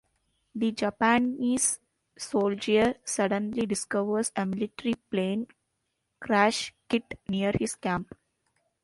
The Japanese soldier suddenly discovers a military plane crash kit near his camp.